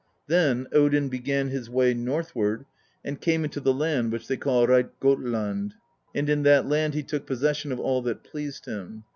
Then Odin began his way northward, and came into the land which they called Reidgothland ; and in that land he took possession of all that pleased him.